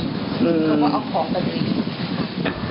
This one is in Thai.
เขาก็เอาของไปด้วย